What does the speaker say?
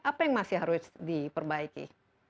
apa yang masih harus diperbaiki